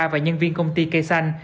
và nhân viên công ty cây xanh